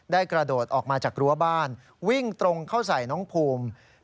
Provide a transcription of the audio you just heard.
กระโดดออกมาจากรั้วบ้านวิ่งตรงเข้าใส่น้องภูมิ